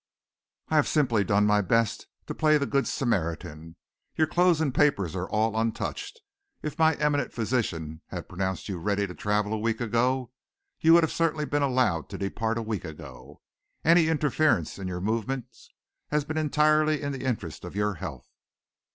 I have simply done my best to play the Good Samaritan. Your clothes and papers are all untouched. If my eminent physician had pronounced you ready to travel a week ago, you would certainly have been allowed to depart a week ago. Any interference in your movements has been entirely in the interests of your health."